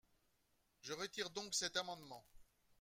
Je retire donc cet amendement.